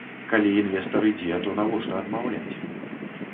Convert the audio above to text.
Калі інвестар ідзе, то навошта адмаўляць?